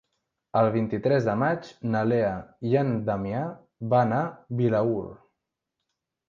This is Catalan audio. El vint-i-tres de maig na Lea i en Damià van a Vilaür.